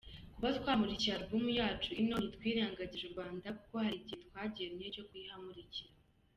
Kuba twamurikiye album yacu ino ntitwirengagije u Rwanda kuko hari igihe twagennye cyo kuyihamurikira.